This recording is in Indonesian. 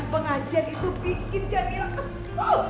pengajian itu bikin jamila kesel